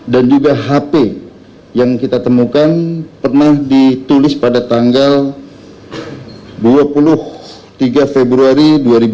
dan juga hp yang kita temukan pernah ditulis pada tanggal dua puluh tiga februari dua ribu tujuh belas